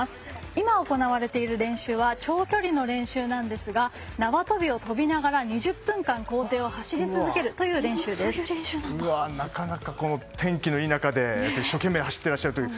今行われている練習は長距離の練習なんですが縄跳びを跳びながら２０分間、校庭を走り続けるなかなか天気のいい中で一生懸命走っていらっしゃると。